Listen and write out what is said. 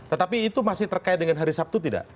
tetapi itu masih terkait dengan hari sabtu tidak